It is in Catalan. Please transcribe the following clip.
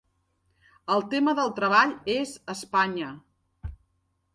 El tema del treball és Espanya.